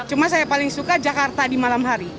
cuma saya paling suka jakarta di malam hari